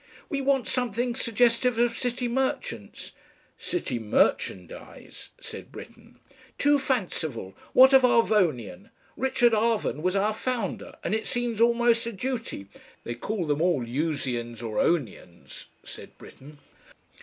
"We want something suggestive of City Merchants." "CITY MERCHANDIZE," said Britten. "Too fanciful. What of ARVONIAN? Richard Arvon was our founder, and it seems almost a duty " "They call them all usians or onians," said Britten.